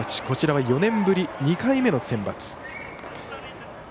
こちらは４年ぶり２回目のセンバツ。